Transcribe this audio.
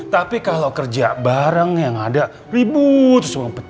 tapi kalau kerja bareng yang ada ribut terus pecah nih pala